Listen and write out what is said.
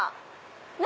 何？